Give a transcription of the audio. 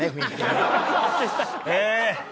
ええ。